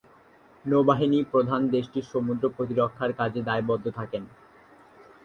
নৌবাহিনী প্রধান দেশটির সমুদ্র প্রতিরক্ষার কাজে দায়বদ্ধ থাকেন।